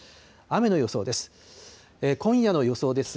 雨の予想です。